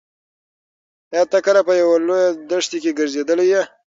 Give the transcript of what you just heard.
ایا ته کله په یوه لویه دښته کې ګرځېدلی یې؟